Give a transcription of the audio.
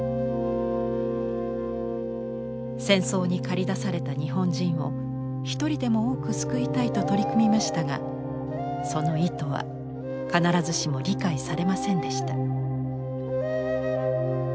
「戦争に駆り出された日本人を一人でも多く救いたい」と取り組みましたがその意図は必ずしも理解されませんでした。